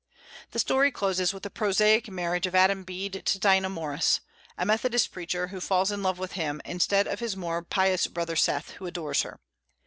The story closes with the prosaic marriage of Adam Bede to Dinah Morris, a Methodist preacher, who falls in love with him instead of his more pious brother Seth, who adores her.